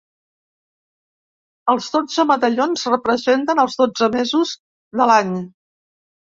Els dotze medallons representen els dotze mesos de l'any.